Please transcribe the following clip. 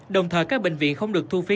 đồng thời các bệnh viện không được thu phí